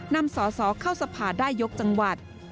นำสอเข้าสะพาด้ายยกจังหวัด